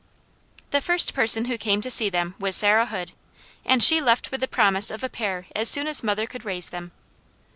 The first person who came to see them was Sarah Hood, and she left with the promise of a pair as soon as mother could raise them.